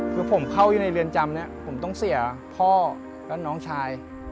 เมื่อเข้าในเรือนจำผมต้องเสียพ่อกับน้องชาย